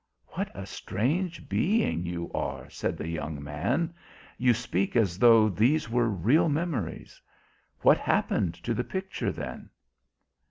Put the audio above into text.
"What a strange being you are!" said the young man. "You speak as though these were real memories. What happened to the picture then?"